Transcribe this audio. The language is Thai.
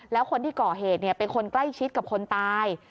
แล้วคนที่ก่อเหตุเป็นคนใกล้ชิดกับคนตาย